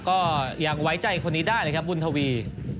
ก็ยังไว้ใจคนนี้ได้เลยครับบุญทวี